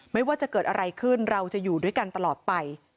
ไม่ว่าจะเกิดอะไรขึ้นเราจะอยู่ด้วยกันตลอดไป